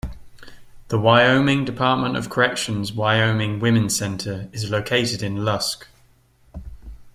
The Wyoming Department of Corrections Wyoming Women's Center is located in Lusk.